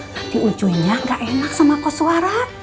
nanti ucunya nggak enak sama kos suara